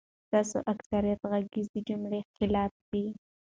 ستاسو اکثریت غږیز جملی خلطی دی